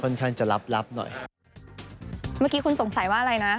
นานมาแล้ว